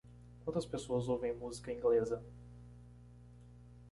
Quantas pessoas ouvem música inglesa?